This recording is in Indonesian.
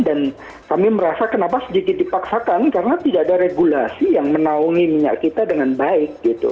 dan kami merasa kenapa sedikit dipaksakan karena tidak ada regulasi yang menaungi minyak kita dengan baik